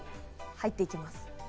入っていきます。